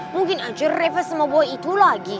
mungkin aja reva sama gue itu lagi